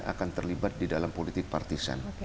akan terlibat di dalam politik partisan